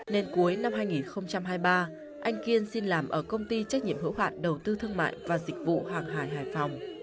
nên cuối năm hai nghìn hai mươi ba anh kiên xin làm ở công ty trách nhiệm hữu hạn đầu tư thương mại và dịch vụ hoàng hải hải phòng